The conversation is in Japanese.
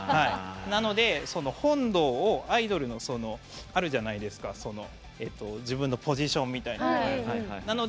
なので、本堂のアイドルのあるじゃないですか自分のポジションみたいなもの。